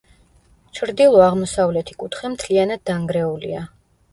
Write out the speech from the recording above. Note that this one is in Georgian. ჩრდილო-აღმოსავლეთი კუთხე მთლიანად დანგრეულია.